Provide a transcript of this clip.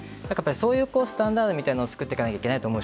そういうスタンダードみたいなのを作っていかなきゃいけないです。